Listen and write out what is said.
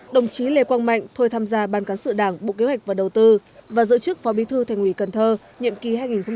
đồng chí lê quang mạnh thôi tham gia ban cán sự đảng bộ kế hoạch và đầu tư và giữ chức phó bí thư thành ủy cần thơ nhiệm kỳ hai nghìn một mươi sáu hai nghìn một mươi sáu